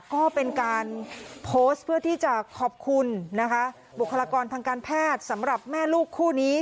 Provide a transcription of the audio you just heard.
ก็เป็นการโพสต์เพื่อที่จะขอบคุณนะคะบุคลากรทางการแพทย์สำหรับแม่ลูกคู่นี้